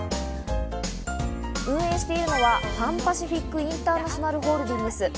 運営しているのは、パン・パシフィック・インターナショナルホールディングス。